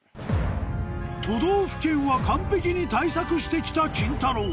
都道府県は完璧に対策して来たキンタロー。